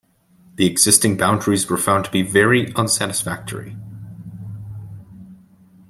The existing boundaries were found to be "very unsatisfactory".